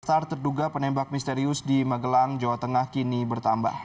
besar terduga penembak misterius di magelang jawa tengah kini bertambah